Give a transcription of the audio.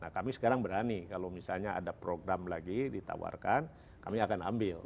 nah kami sekarang berani kalau misalnya ada program lagi ditawarkan kami akan ambil